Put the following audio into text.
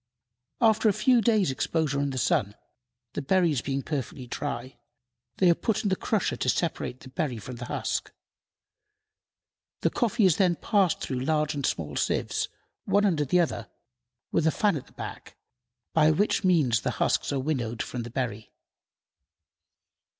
After a few days' exposure to the sun, the berries being perfectly dry, they are put in the crusher to separate the berry from the husk. The coffee is then passed through large and small sieves, one under the other, with a fan at the back, by which means the husks are winnowed from the berry.